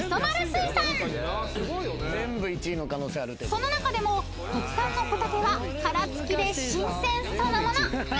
［その中でも国産のホタテは殻付きで新鮮そのもの］